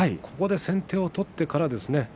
ここで先手を取ってからですね